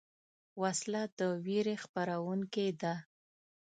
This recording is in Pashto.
وسله د ویرې خپرونکې ده